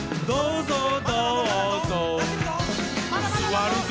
どうぞ！